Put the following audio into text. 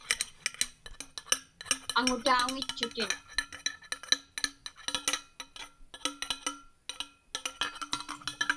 Aŋutauŋitchutin.